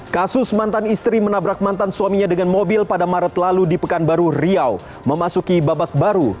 kasus mantan istri menabrak mantan suaminya dengan mobil pada maret lalu di pekanbaru riau memasuki babak baru